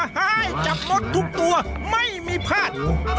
ให้จับมดทุกตัวไม่มีพาด